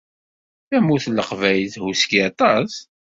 Tamurt n Leqbayel tehhuski aṭas.